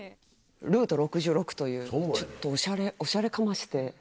ルート６６というちょっとオシャレかまして。